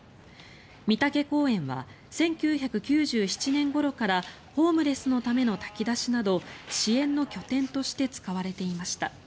美竹公園は１９９７年ごろからホームレスのための炊き出しなど支援の拠点として使われていました。